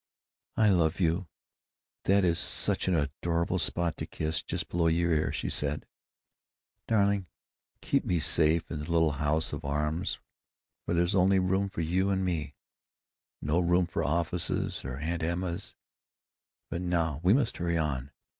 "I love you!... That is such an adorable spot to kiss, just below your ear," she said. "Darling, keep me safe in the little house of arms, where there's only room for you and me—no room for offices or Aunt Emmas!... But not now. We must hurry on....